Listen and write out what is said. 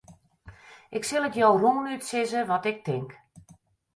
Ik sil it jo rûnút sizze wat ik tink.